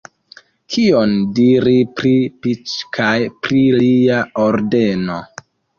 Kion diri pri Piĉ kaj pri lia Ordeno?